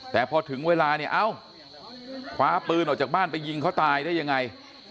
แต่พอถึงเวลาเนี่ยเอ้าคว้าปืนออกจากบ้านไปยิงเขาตายได้ยังไง